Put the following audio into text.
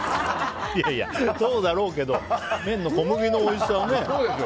そうだろうけど麺の小麦のおいしさをね。